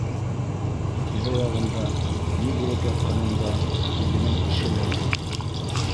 Тирә-яғында ни булып ятҡанында үҙенең эше лә юҡ.